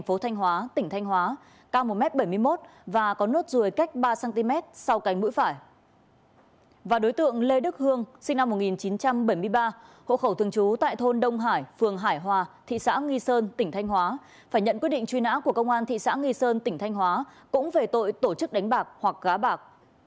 phải nhận quyết định truy nã của công an thị xã nghi sơn tỉnh thanh hóa cũng về tội tổ chức đánh bạc hoặc gá bạc